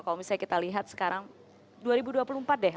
kalau misalnya kita lihat sekarang dua ribu dua puluh empat deh